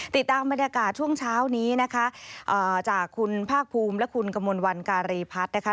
ติดตามบรรยากาศช่วงเช้านี้นะคะจากคุณภาคภูมิและคุณกมลวันการีพัฒน์นะคะ